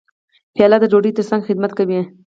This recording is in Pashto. پیاله د ډوډۍ ترڅنګ خدمت کوي.